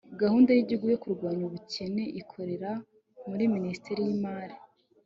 gahunda y'igihugu yo kurwanya ubukene ikorera muri minisiteri y'lmari